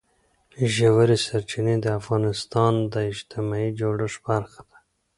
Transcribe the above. ژورې سرچینې د افغانستان د اجتماعي جوړښت برخه ده.